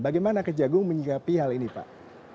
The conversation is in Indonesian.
bagaimana kejagung menyikapi hal ini pak